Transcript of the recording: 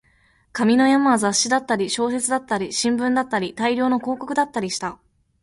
紙の山は雑誌だったり、小説だったり、新聞だったり、大量の広告だったりした